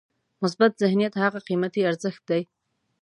مثبت ذهنیت هغه قیمتي ارزښت دی.